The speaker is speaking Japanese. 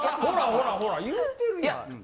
ほらほらほら言ってるやん。